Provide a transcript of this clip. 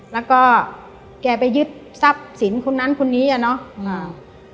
แล้วก็แกไปยึดทรัพย์สินคนนั้นคนนี้อ่ะเนอะอ่า